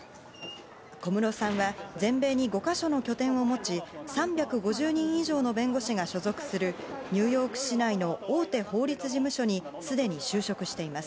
小室さんは全米に５か所の拠点を持ち３５０人以上の弁護士が所属するニューヨーク市内の大手法律事務所にすでに就職しています。